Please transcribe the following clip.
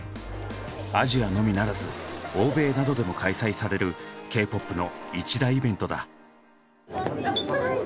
アジアのみならず欧米などでも開催されるＫーＰＯＰの一大イベントだ。